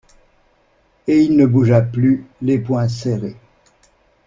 Et il ne bougea plus, les poings serrés.